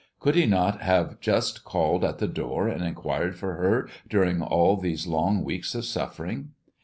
Could he not have just called at the door and inquired for her during all these long weeks of suffering?